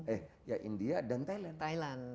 eh ya india dan thailand